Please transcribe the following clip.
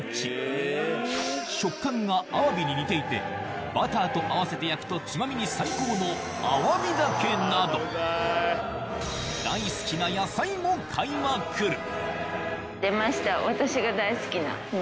食感があわびに似ていてバターと合わせて焼くとつまみに最高のあわび茸など大好きな野菜も買いまくる！